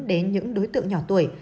đến những đối tượng nhỏ tuổi